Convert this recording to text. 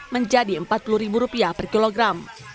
menjadi rp empat puluh per kilogram